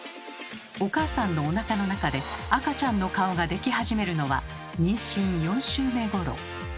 お母さんのおなかの中で赤ちゃんの顔ができ始めるのは妊娠４週目ごろ。